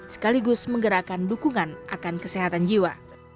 sekaligus menggerakkan dukungan akan kesehatan jiwa